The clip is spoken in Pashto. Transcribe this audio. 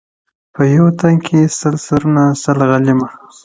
• په يو تن كي سل سرونه سل غليمه,